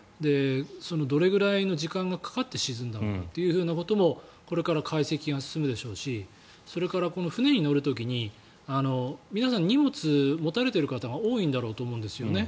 どれぐらいの時間がかかって沈んだのかということもこれから解析が進むでしょうしそれから船に乗る時に皆さん荷物を持たれてる方が多いんだろうと思うんですよね。